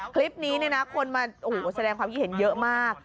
คลิปนี้คนมาแสดงความคิดเห็นเยอะมาก